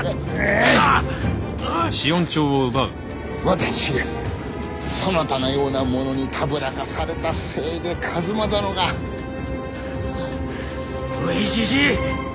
私がそなたのような者にたぶらかされたせいで一馬殿が！おいじじい！